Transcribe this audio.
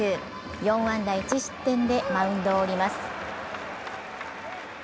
４安打１失点でマウンドを降ります。